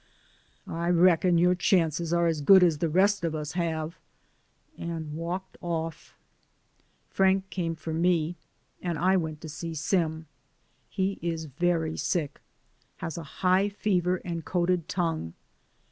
"I reckon your chances are as good as the rest of us have." And walked off. Frank came for me, and I went to see Sim ; he is very sick, has a high fever and coated tongue.